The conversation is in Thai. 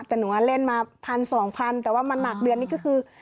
แต่หนูเล่นมาพันสองพันแต่ว่ามันหนักเดือนนี้ก็คือ